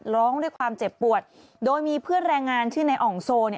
ร้องด้วยความเจ็บปวดโดยมีเพื่อนแรงงานชื่อในอ่องโซเนี่ย